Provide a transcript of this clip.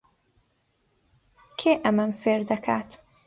کێ ئەمەم فێر دەکات؟